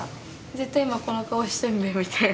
絶対今この顔してんべよみたいな。